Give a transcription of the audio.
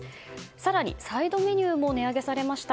更に、サイドメニューも値上げされました。